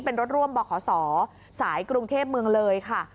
เป็นรถร่วมบขศสายกรุงเทพเมืองเลยค่ะ